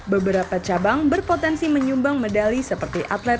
beberapa cabang berpotensi menyumbang medali seperti atlet